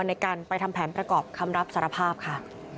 ในการไปทำแผนประกอบคำรับสารภาพค่ะ